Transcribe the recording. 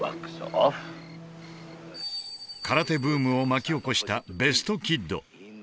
空手ブームを巻き起こした「ベスト・キッド」。